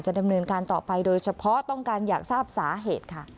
ดำเนินการต่อไปโดยเฉพาะต้องการอยากทราบสาเหตุค่ะ